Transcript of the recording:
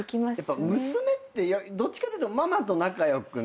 娘ってどっちかっていうとママと仲良くなって。